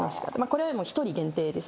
これ一人限定です。